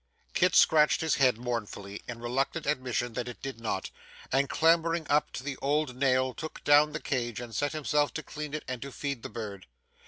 Kit scratched his head mournfully, in reluctant admission that it did not, and clambering up to the old nail took down the cage and set himself to clean it and to feed the bird.